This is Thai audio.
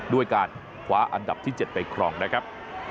ด้วยการคว้าอันดับที่๗ไปครองนะครับ